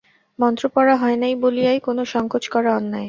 মন্ত্র পড়া হয় নাই বলিয়াই কোনো সংকোচ করা অন্যায়।